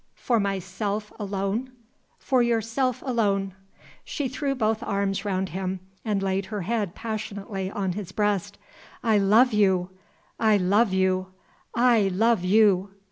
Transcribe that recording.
For myself alone?" "For yourself alone." She threw both arms round him, and laid her head passionately on his breast. "I love you! I love you!! I love you!!!"